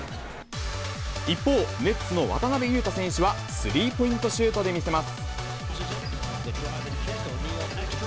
一方、ネッツの渡邊雄太選手はスリーポイントシュートで見せます。